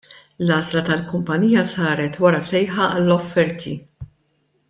L-għażla tal-kumpanija saret wara sejħa għall-offerti.